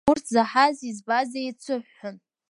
Урҭ заҳази избази еицыҳәҳәон…